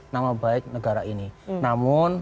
nama baik negara ini namun